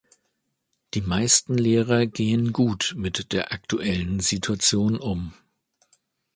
Die meisten Lehrer gehen gut mit der aktuellen Situation um.